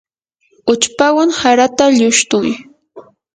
uchpawan harata llushtuy.